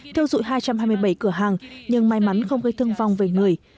thiêu dụi hai trăm hai mươi bảy cửa hàng nhưng may mắn không gây thương vong về người